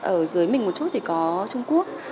ở dưới mình một chút thì có trung quốc